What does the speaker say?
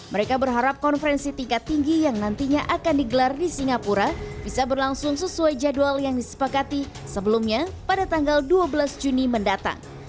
mereka berharap konferensi tingkat tinggi yang nantinya akan digelar di singapura bisa berlangsung sesuai jadwal yang disepakati sebelumnya pada tanggal dua belas juni mendatang